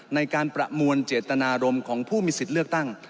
ในการประมวลเจตนารมณ์ของผู้มีสิทธิ์เลือกตั้ง